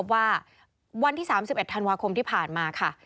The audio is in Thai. ว่าวันที่๓๑ธันวาคมที่ผ่านมาค่ะ